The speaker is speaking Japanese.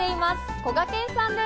こがけんさんです。